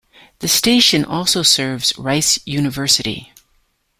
The station also serves Rice University.